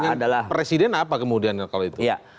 kayaknya dengan presiden apa kemudian kalau itu